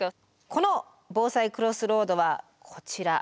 この防災クロスロードはこちらですね。